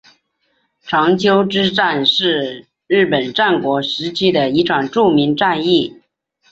长筱之战是是日本战国时期的一场著名战役。